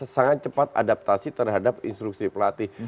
sangat cepat adaptasi terhadap instruksi pelatih